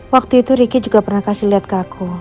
waktu itu riki juga pernah kasih lihat ke aku